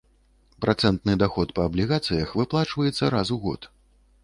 Працэнтны даход па аблігацыях выплачваецца раз у год.